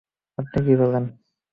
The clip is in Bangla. আপনি কি বলেন?